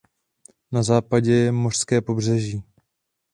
Na západě je mořské pobřeží.